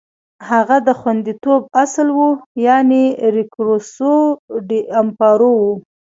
هغه د خوندیتوب اصل و، یعنې ریکورسو ډی امپارو و.